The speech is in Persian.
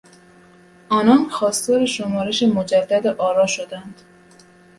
آنان خواستار شمارش مجدد آرا شدند.